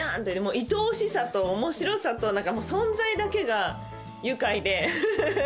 いとおしさと面白さと何かもう存在だけが愉快でフフフ！